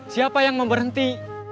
siapa yang mau berhenti